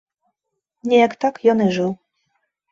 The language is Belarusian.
Неяк так ён і жыў.